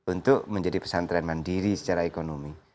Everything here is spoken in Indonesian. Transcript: untuk menjadi pesantren mandiri secara ekonomi